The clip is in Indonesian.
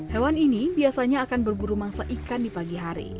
hewan ini biasanya akan berburu mangsa ikan di pagi hari